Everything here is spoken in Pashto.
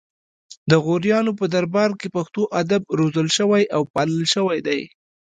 د غوریانو په دربار کې پښتو ادب روزل شوی او پالل شوی دی